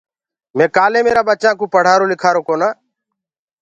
مي ڪآلي ميرآ ٻچآ ڪو پڙهآرو لکارو ڪونآ